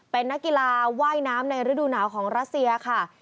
เป็นนักกีฬาว่ายน้ำในฤดูหนาวของรัสเซียค่ะ